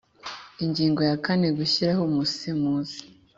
Ingingo ya kane Gushyiraho umusemuzi